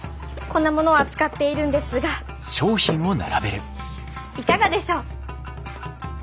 こんなものを扱っているんですがいかがでしょう？